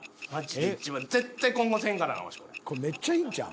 ［めっちゃいいんちゃう？］